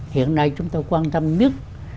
hiện nay chúng ta quan tâm nhất